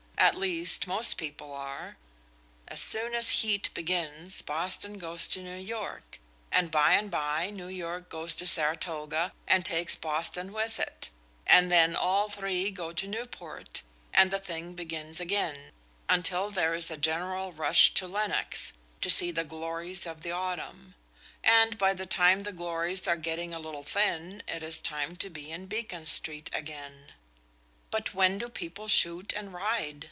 At least, most people are. As soon as heat begins Boston goes to New York; and by and by New York goes to Saratoga, and takes Boston with it; and then all three go to Newport, and the thing begins again, until there is a general rush to Lenox, to see the glories of the autumn; and by the time the glories are getting a little thin it is time to be in Beacon Street again." "But when do people shoot and ride?